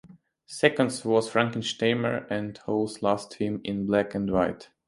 "Seconds" was Frankenheimer and Howe's last film in black-and-white.